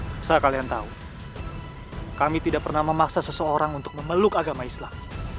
bisa kalian tahu kami tidak pernah memaksa seseorang untuk memeluk agama islam